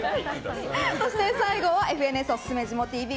そして最後はＦＮＳおすすめジモＴＶ